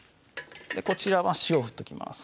こちらは塩を振っときます